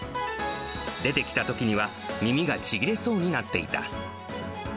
出てきたときには耳がちぎれそうになっていた。